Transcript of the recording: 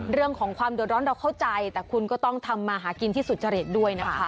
เรื่องของความเดือดร้อนเราเข้าใจแต่คุณก็ต้องทำมาหากินที่สุจริตด้วยนะคะ